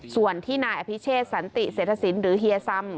ส่วนที่นายอภิเชษสันติเศรษฐศิลป์หรือเฮียซำ